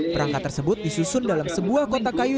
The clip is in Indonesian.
perangkat tersebut disusun dalam sebuah kotak kayu